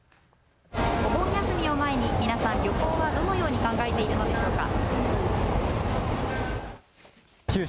お盆休みを前に皆さん旅行はどのように考えているのでしょうか。